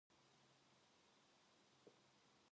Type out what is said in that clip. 회가 흐지부지 끝이 날 무렵에야 동혁은 서기석에서 천천히 일어섰다.